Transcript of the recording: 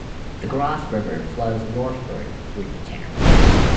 The Grasse River flows northward through the town.